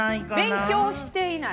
勉強してない。